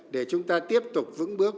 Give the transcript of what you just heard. để chúng ta tiếp tục vững bước